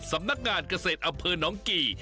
สำนักงานเกษตรอำเภอน้องกี่